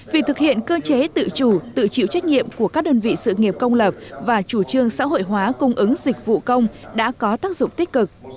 việc thực hiện cơ chế tự chủ tự chịu trách nhiệm của các đơn vị sự nghiệp công lập và chủ trương xã hội hóa cung ứng dịch vụ công đã có tác dụng tích cực